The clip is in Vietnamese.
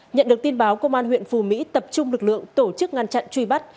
nhận được tin báo công an huyện phù mỹ tập trung lực lượng tổ chức ngăn chặn truy bắt